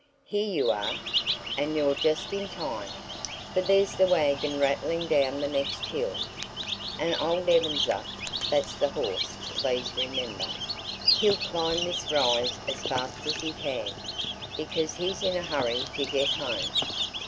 "Here you are and you're just in time! For there's the wagon rattling down the next hill. And old Ebenezer (that's the horse, please remember!) he'll climb this rise as fast as he can, because he's in a hurry to get home."